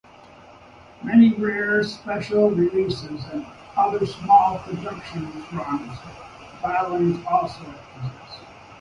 Many rare, special releases and other small production run bottlings also exist.